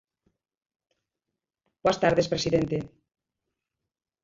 Boas tarde, presidente.